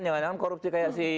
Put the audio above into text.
uangnya kita terima ya kan